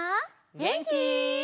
げんき？